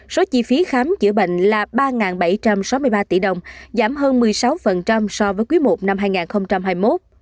số chi phí khám chữa bệnh là ba bảy trăm sáu mươi ba tỷ đồng giảm hơn một mươi sáu so với quý i năm hai nghìn hai mươi một